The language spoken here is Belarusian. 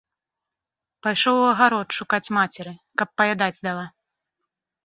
Пайшоў у агарод шукаць мацеры, каб паядаць дала.